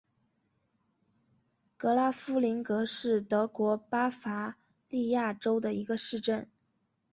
格拉夫林格是德国巴伐利亚州的一个市镇。